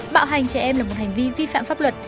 bạo hành trẻ em là một hành vi vi phạm pháp luật